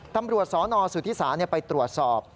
ตำรวจสนสุธิศาไปตรวจสอบ